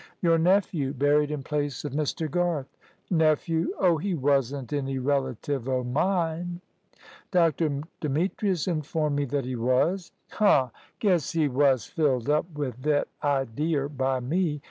"Your nephew buried in place of Mr. Garth." "Nephew! Oh, he wasn't any relative o' mine." "Dr. Demetrius informed me that he was." "Huh! Guess he wos filled up with thet idear by me.